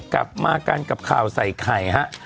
กลับมากันกับข่าวใส่ไข่ฮะ